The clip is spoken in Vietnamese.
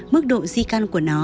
mức độ di căn của nó